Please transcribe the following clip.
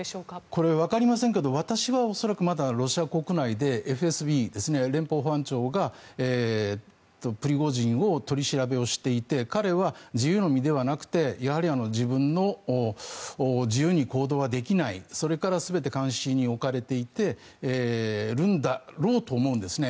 これ、わかりませんが私は恐らくロシア国内でＦＳＢ・連邦保安庁がプリゴジンを取り調べをしていて彼は自由の身ではなくてやはり自分の自由に行動はできないそれから全て監視に置かれてるんだろうと思うんですね。